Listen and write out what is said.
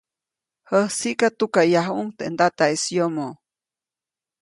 Jäsiʼka tukaʼyajuʼuŋ teʼ ndataʼis yomoʼ.